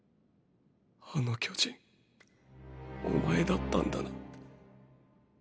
あの巨人お前だったんだな。